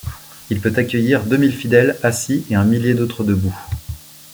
Il peut accueillir deux mille fidèles assis et un millier d'autres debout.